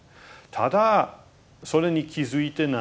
ただそれに気付いてない。